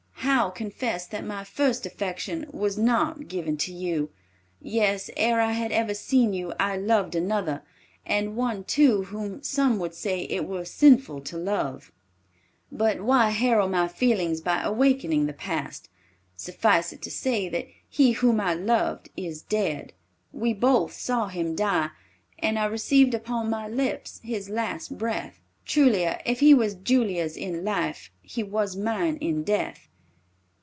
How confess that my first affection was not given to you? Yes, ere I had ever seen you, I loved another, and one, too, whom some would say it were sinful to love. "But why harrow my feelings by awakening the past? Suffice it to say that he whom I loved is dead. We both saw him die, and I received upon my lips his last breath. Truly if he were Julia's in life, he was mine in death.